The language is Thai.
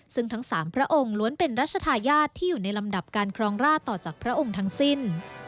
ซึ่งทั้ง๓พระองค์ล้วนเป็นรัชธาญาติที่อยู่ในลำดับการครองราชต่อจากพระองค์ทั้งสิ้น